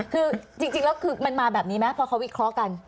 คือจริงแล้วคือมันมาแบบนี้ไหมพอเขาวิเคราะห์กัน